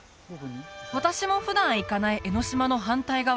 私も普段行かない江の島の反対側